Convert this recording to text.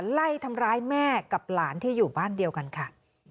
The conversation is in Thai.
ไล่ทำร้ายแม่กับหลานที่อยู่บ้านเดียวกันค่ะ